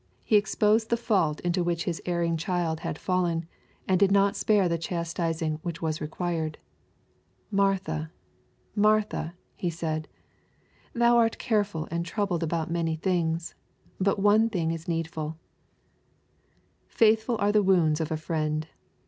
He exposed the fault into which His LTJEE; CHAP. X* 887 erring child had fallen, and did not spare the chasten ing which was required. "Martha, Martha,'' He said, "thou art careful and troubled about many things : but one thing is needful/' Faithful are the wounds of a friend